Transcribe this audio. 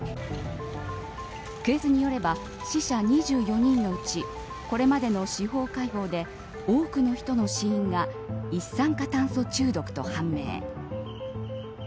警察によれば死者２４人のうちこれまでの司法解剖で多くの人の死因が一酸化炭素中毒と判明。